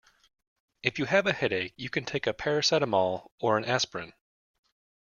If you have a headache, you can take a paracetamol or an aspirin